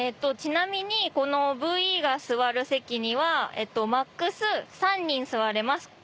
ちなみにこのＶＥが座る席にはＭＡＸ３人座れます。